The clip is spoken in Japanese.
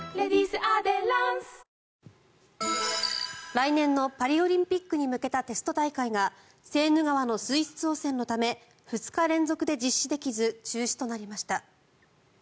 来年のパリオリンピックに向けたテスト大会がセーヌ川の水質汚染のため２日連続で実施できず中止となりました。